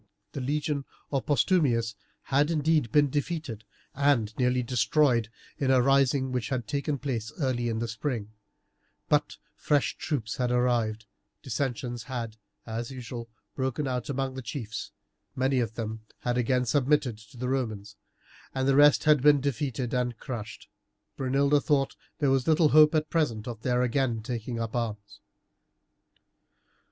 The legion of Postumius had indeed been defeated and nearly destroyed in a rising which had taken place early in the spring; but fresh troops had arrived, dissensions had, as usual, broken out among the chiefs, many of them had again submitted to the Romans, and the rest had been defeated and crushed. Brunilda thought that there was little hope at present of their again taking up arms.